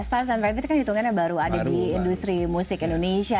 stars and rabbit kan hitungannya baru ada di industri musik indonesia